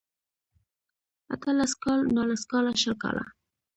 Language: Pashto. اته لس کاله نولس کاله شل کاله